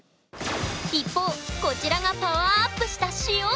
一方こちらがパワーアップした「塩」。